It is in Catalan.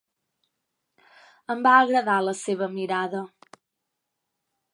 Em va agradar la seva mirada.